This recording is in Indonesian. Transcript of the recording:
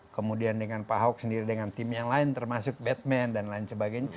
kemudian dengan pak ahok sendiri dengan tim yang lain termasuk batman dan lain sebagainya